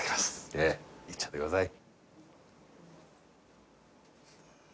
ええいっちゃってください